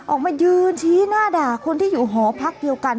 ออกมายืนชี้หน้าด่าคนที่อยู่หอพักเดียวกัน